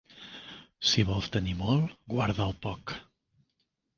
Si vols tenir molt, guarda el poc.